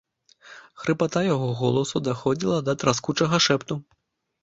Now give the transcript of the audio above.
Хрыпата яго голасу даходзіла да траскучага шэпту.